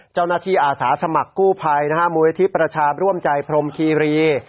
เจ้าหน้าที่อาสาสมัครกู้ภัยนะฮะมูลยธิประชาบร่วมใจพรหมคีรี